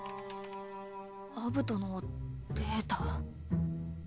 アブトのデータ。